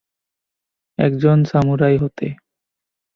একজন সামুরাই হতে।